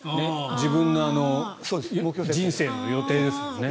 自分の人生の予定ですよね。